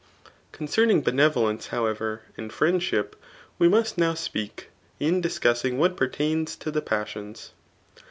Con cerning benevolence, however, and friendship we must now speak, in discussing what pertains to the pasaons.